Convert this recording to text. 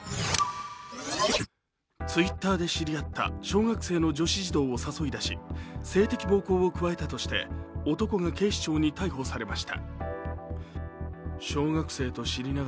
Ｔｗｉｔｔｅｒで知り合った小学生の女子児童を誘い出し性的暴行を加えたとして男が警視庁に逮捕されました。